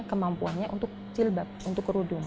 kemampuannya untuk jilbab untuk kerudung